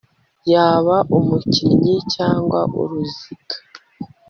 Yaba umukinnyi cyangwa uruziga